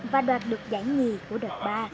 và đoạt được giải nhì của đợt ba